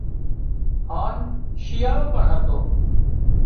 هانَ شيئاۯو پڻ هتو